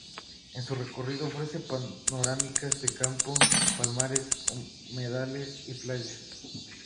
En su recorrido ofrece panorámicas de campo, palmares, humedales y playas.